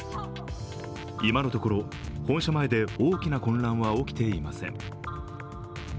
今のところ本社前で大きな混乱は起きていません。